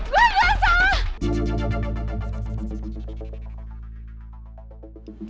gue gak salah